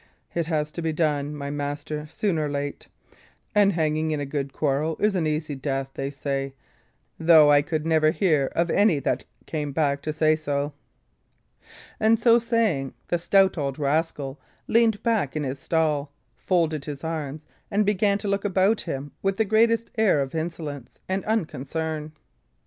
It has to be done, my master, soon or late. And hanging in a good quarrel is an easy death, they say, though I could never hear of any that came back to say so." And so saying, the stout old rascal leaned back in his stall, folded his arms, and began to look about him with the greatest air of insolence and unconcern.